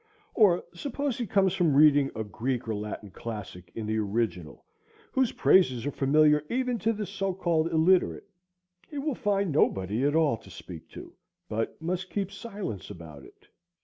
Or suppose he comes from reading a Greek or Latin classic in the original, whose praises are familiar even to the so called illiterate; he will find nobody at all to speak to, but must keep silence about it.